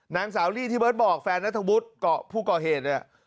นางสาวลี่ที่เบิร์ตบอกแฟนนัทวุฒิผู้ก่อเหตุเนี่ย